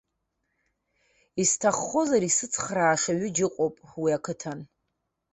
Исҭаххозар исыцхрааша ҩыџьа ыҟоуп уи ақыҭан.